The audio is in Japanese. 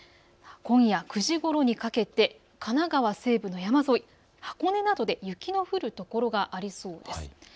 今夜９時ごろにかけて神奈川西部の山沿い、箱根などで雪の降る所がありそうです。